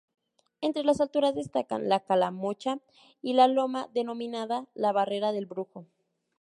Entre las alturas destacan la Calamocha y la loma denominada "la Barrera del Brujo".